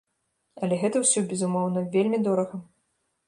Але гэта ўсё, безумоўна, вельмі дорага.